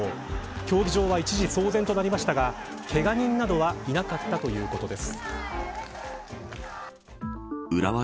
競技場は一時騒然となりましたがけが人などはいなかったということです。